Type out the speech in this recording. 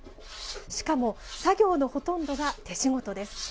しかも作業のほとんどが手仕事です。